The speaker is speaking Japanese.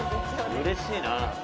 うれしいな。